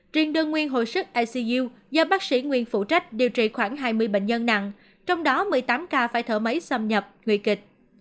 riêng đơn nguyên hồi sức icu do bác sĩ nguyên phụ trách điều trị khoảng hai mươi bệnh nhân nặng trong đó một mươi tám ca phải thở máy xâm nhập nguy kịch